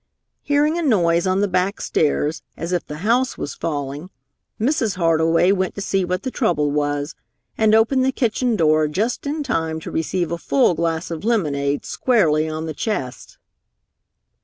Hearing a noise on the back stairs, as if the house was falling, Mrs. Hardway went to see what the trouble was, and opened the kitchen door just in time to receive a full glass of lemonade squarely on the chest.